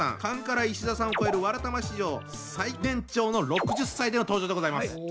カンカラ石田さんを超える「わらたま」史上最年長の６０歳での登場でございます。